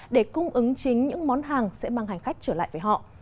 để cung ứng chính những món hàng sẽ mang hành khách trở lại với họ